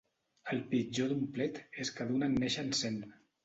El pitjor d'un plet és que d'un en neixen cent.